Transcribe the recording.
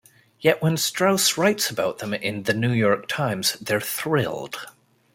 Yet when Strauss writes about them in "The New York Times," they're thrilled.